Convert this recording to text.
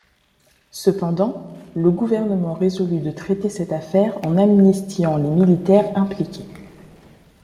Cependant, le gouvernement résolut de traiter cette affaire en amnistiant les militaires impliqués.